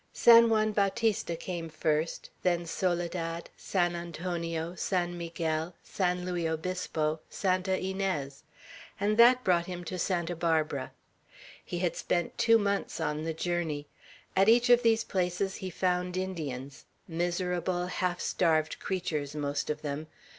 San Juan Bautista came first; then Soledad, San Antonio, San Miguel, San Luis Obispo, Santa Inez; and that brought him to Santa Barbara. He had spent two months on the journey. At each of these places he found Indians; miserable, half starved creatures, most of them.